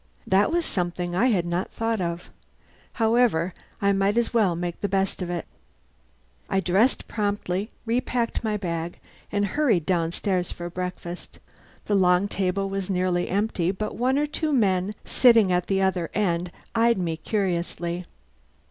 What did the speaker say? That was something I had not thought of. However, I might as well make the best of it. I dressed promptly, repacked my bag, and hurried downstairs for breakfast. The long table was nearly empty, but one or two men sitting at the other end eyed me curiously.